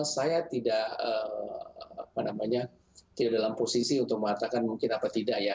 saya tidak dalam posisi untuk mengatakan mungkin apa tidak ya